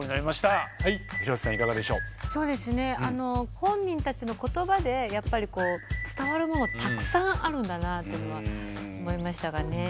本人たちの言葉でやっぱりこう伝わるものたくさんあるんだなというのは思いましたかね。